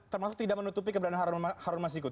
termasuk tidak menutupi kebenaran harun masyikut